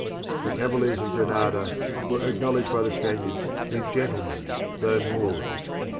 The cavaliers of Granada were acknowledged by the Spaniards to be "gentlemen, though Moors."